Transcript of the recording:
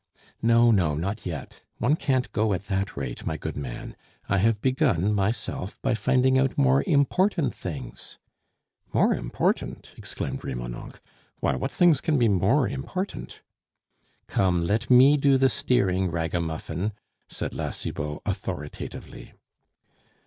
"No, no, not yet. One can't go at that rate, my good man. I have begun, myself, by finding out more important things " "More important!" exclaimed Remonencq; "why, what things can be more important?" "Come, let me do the steering, ragamuffin," said La Cibot authoritatively.